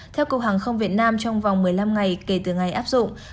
theo cục hàng không việt nam trong vòng một mươi năm ngày kể từ ngày áp dụng